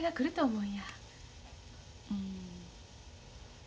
うん。